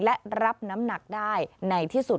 และรับน้ำหนักได้ในที่สุด